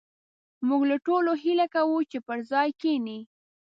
موږ له ټولو هيله کوو چې پر خپل ځاى کښېنئ